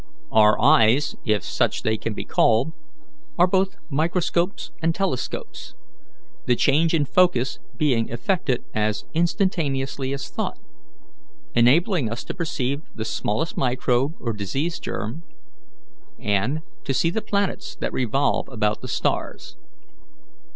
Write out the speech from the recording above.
Our eyes if such they can be called are both microscopes and telescopes, the change in focus being effected as instantaneously as thought, enabling us to perceive the smallest microbe or disease germ, and to see the planets that revolve about the stars.